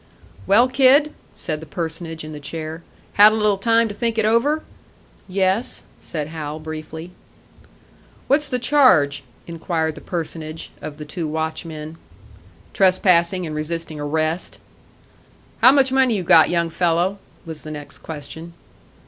"Well, kid?" said the personage in the chair. "Had a little time to think it over?" "Yes," said Hal, briefly. "What's the charge?" inquired the personage, of the two watchmen. "Trespassing and resisting arrest." "How much money you got, young fellow?" was, the next question.